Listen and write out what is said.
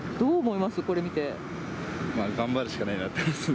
まあ、頑張るしかないなって思いますね。